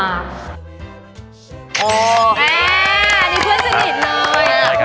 อันนี้เพื่อนสนิทเลย